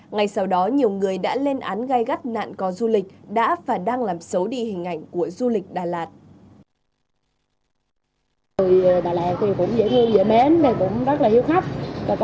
ngay sau đó nhiều người đã lên án gai gắt nạn co du lịch đã và đang làm xấu đi hình ảnh của du lịch đà lạt